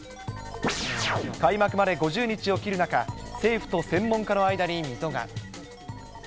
開幕まで５０日を切る中、政府と専門家の間に溝が。